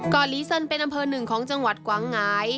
อลีเซินเป็นอำเภอหนึ่งของจังหวัดกวางหงาย